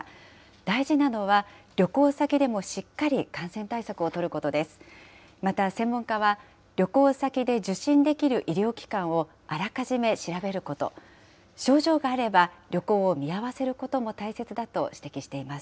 大事なのは、旅行先でもしっかり感染対策を取ることです。